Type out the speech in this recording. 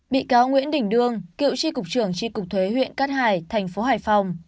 bị cáo nguyễn đình đương cựu tri cục trưởng tri cục thuế huyện cát hải thành phố hải phòng